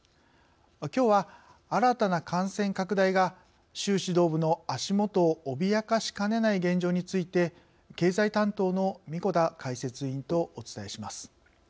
きょうは新たな感染拡大が習指導部の足元を脅かしかねない現状について経済担当の神子田解説委員とお伝えします。